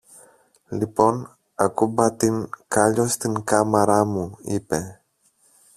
Λοιπόν ακουμπά την κάλλιο στην κάμαρα μου, είπε.